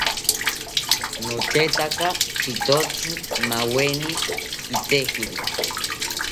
Notetaka pitotzi maaweni kitejiri